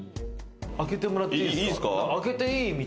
あけてもらっていいですか？